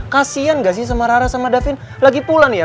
kasian gak sih sama rara sama davin lagi pulang ya